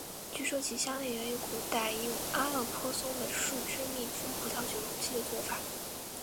据说其香味源于古代用阿勒颇松的树脂密封葡萄酒容器的做法。